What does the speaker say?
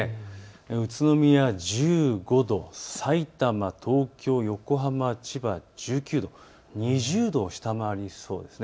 宇都宮１５度、さいたま、東京、横浜、千葉１９度、２０度を下回りそうです。